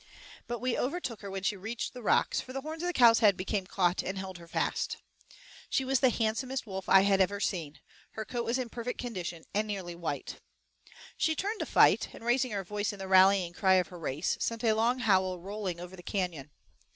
But we overtook her when she reached the rocks, for the horns of the cow's head became caught and held her fast. She was the handsomest wolf I had ever seen. Her coat was in perfect condition and nearly white. She turned to fight, and, raising her voice in the rallying cry of her race, sent a long howl rolling over the canyon.